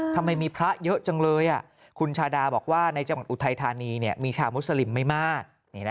ทำไมมีพระเยอะจังเลยคุณชาดาบอกว่าในจังหวัดอุทัยธานีมีชาวมุสลิมไม่มาก